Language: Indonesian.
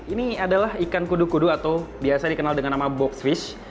ini adalah ikan kudu kudu atau biasa dikenal dengan nama box fish